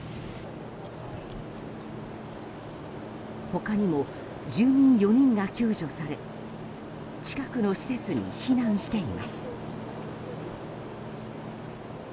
他にも住民４人が救助され近くの施設に避難しています。